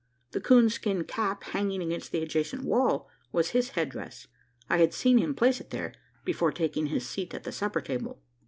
The coon skin cap, hanging against the adjacent wall, was his head dress: I had seen him place it there, before taking his seat at the supper table.